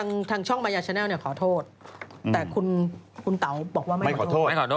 ขอโทษทุกคนขอโทษคุณเอกอีก